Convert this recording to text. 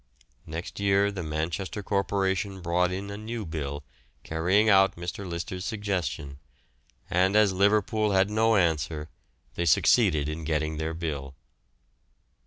Next year the Manchester Corporation brought in a new bill carrying out Mr. Lyster's suggestion, and as Liverpool had no answer they succeeded in getting their bill.